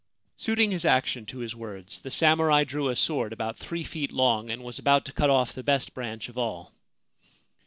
Suiting his action to his words, the samurai drew a sword about three feet long, and was about to cut off the best branch of all.